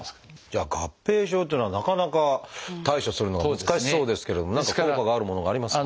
じゃあ合併症っていうのはなかなか対処するのが難しそうですけれども何か効果があるものがありますか？